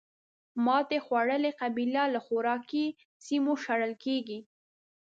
ماتې خوړلې قبیله له خوراکي سیمو شړل کېږي.